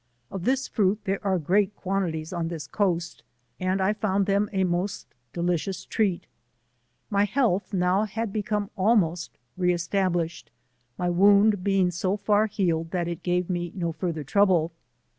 Of this fruit there are great quantities on this coast, and I found them a most deliciouf treat* My health now had become almost re estab lished, my wound being so far healed, that it gave me no fartlier trouble.